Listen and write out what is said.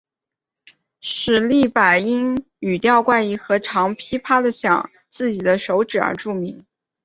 史力柏因语调怪异和常劈啪地晌自己手指而著名。